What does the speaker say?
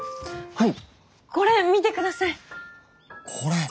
はい。